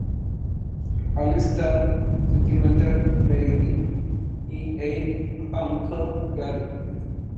All-Star", "Sentimental Lady", y "Hey, Uncle Gary!".